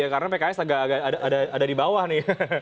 karena pks agak ada di bawah nih